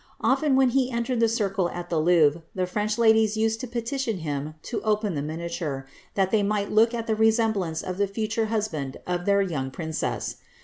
Often when he entered the circle at the Louvre, the French ladies used to petition him to open the miniature, that they might look at the resemblance of the future husband of their young princess.